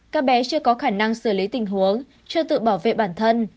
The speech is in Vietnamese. các bé chưa có khả năng xử lý tình huống chưa tự bảo vệ bản thân